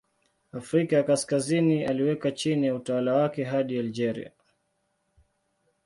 Afrika ya Kaskazini aliweka chini ya utawala wake hadi Algeria.